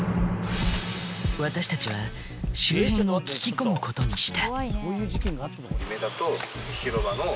私たちは周辺を聞き込むことにした。